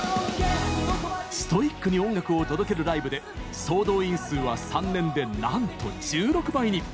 ストイックに音楽を届けるライブで総動員数は３年でなんと１６倍に！